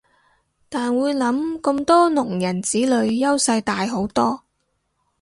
但會諗咁多聾人子女優勢大好多